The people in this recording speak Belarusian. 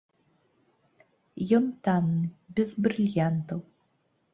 Ён танны, без брыльянтаў.